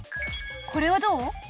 これはどう？